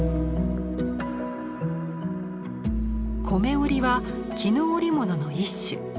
織は絹織物の一種。